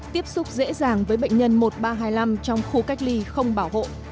tiếp xúc dễ dàng với bệnh nhân một nghìn ba trăm hai mươi năm trong khu cách ly không bảo hộ